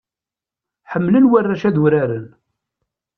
Ḥemmlen warrac ad uraren.